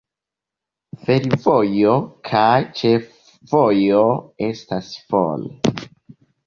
Fervojo kaj ĉefvojo estas for.